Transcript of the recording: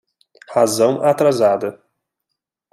Razão atrasada